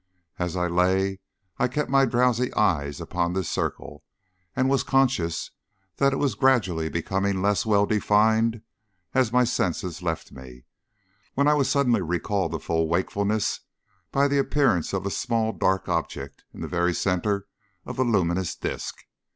As I lay I kept my drowsy eyes upon this circle, and was conscious that it was gradually becoming less well defined as my senses left me, when I was suddenly recalled to full wakefulness by the appearance of a small dark object in the very centre of the luminous disc.